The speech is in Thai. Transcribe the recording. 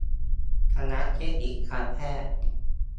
คณะเทคนิคการแพทย์